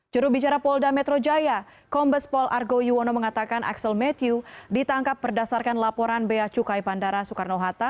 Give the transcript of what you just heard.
jurubicara polda metro jaya kombes pol argo yuwono mengatakan axel matthew ditangkap berdasarkan laporan bea cukai bandara soekarno hatta